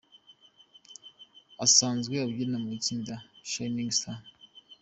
Asanzwe abyina mu itsinda Shinning Stars.